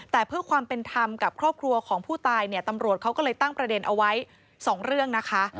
แต่เพื่อความเป็นธรรมกับครอบครัวของผู้ตายเนี่ยตำรวจเขาก็เลยตั้งประเด็นเอาไว้สองเรื่องนะคะ